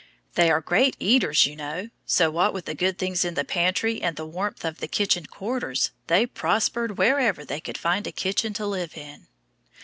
They are great eaters, you know, so what with the good things in the pantry and the warmth of the kitchen quarters they prospered wherever they could find a kitchen to live in.